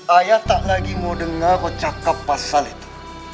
ayah tak lagi mau dengar oh cakap pasal itu